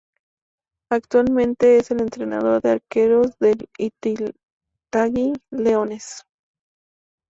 Actualmente es el entrenador de arqueros del Itagüí Leones.